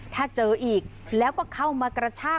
ถ้าเจออีกแล้วก็เข้ามากระชาก